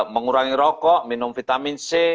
mengurangi rokok minum vitamin c